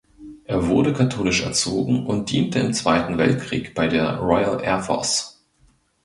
Er wurde katholisch erzogen und diente im Zweiten Weltkrieg bei der Royal Air Force.